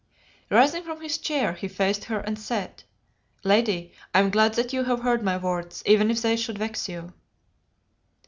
Rising from his chair, he faced her and said "Lady, I am glad that you have heard my words, even if they should vex you."